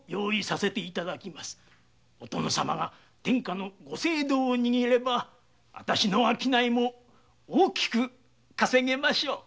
お殿様が天下のご政道を握れば私の商いも大きく稼げましょう。